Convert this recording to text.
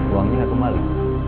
uangnya gak kembali